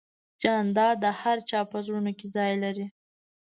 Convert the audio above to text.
جانداد د هر چا په زړونو کې ځای لري.